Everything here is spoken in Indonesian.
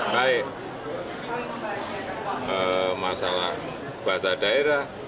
baik masalah bahasa daerah